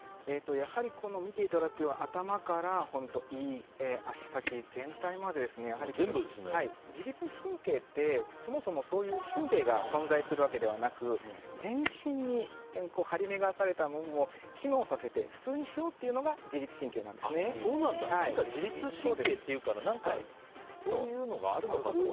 やはり見ていただくと頭から胃、足先全体が、自律神経ってそもそもそういう神経が存在するわけではなく全身に張り巡らせたものを機能させて普通にしようっていうのが自律神経っていうから何かそういうのがあるのかと思いました。